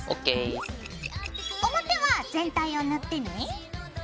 表は全体を塗ってね。